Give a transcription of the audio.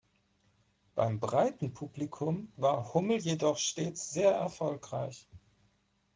Beim breiten Publikum war Hummel jedoch stets sehr erfolgreich.